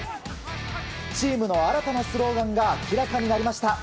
チームの新たなスローガンが明らかになりました。